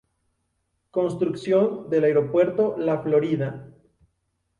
Construcción del Aeropuerto La Florida.